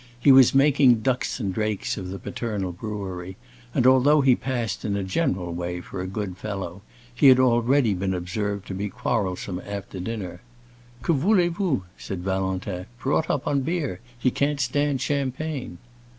He was making ducks and drakes of the paternal brewery, and although he passed in a general way for a good fellow, he had already been observed to be quarrelsome after dinner. "Que voulez vous?" said Valentin. "Brought up on beer, he can't stand champagne."